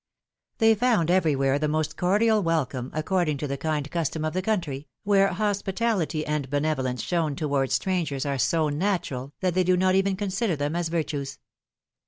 They found everywhere the most cordial welcome, according to the kind custom of the country, where hospitality and benevolence shown towards strangers are so natural, that they do not even consider them as vir tues.